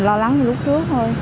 lo lắng như lúc trước thôi